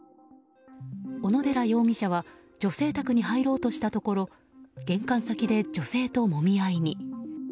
小野寺容疑者は女性宅に入ろうとしたところ玄関先で女性ともみ合いに。